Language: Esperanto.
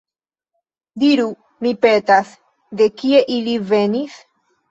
Diru, mi petas, de kie ili venis?